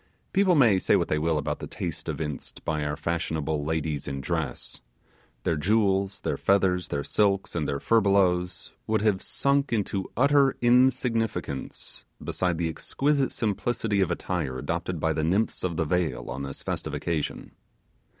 People may say what they will about the taste evinced by our fashionable ladies in dress. Their jewels, their feathers, their silks, and their furbelows, would have sunk into utter insignificance beside the exquisite simplicity of attire adopted by the nymphs of the vale on this festive occasion.